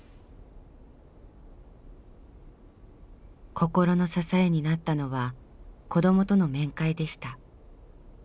心の支えになったのは子どもとの面会でした。